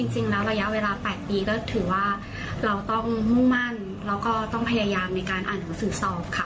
จริงแล้วระยะเวลา๘ปีถือว่าเราต้องมุ่งมั่นพยายามอ่านคุณศือศอบค่ะ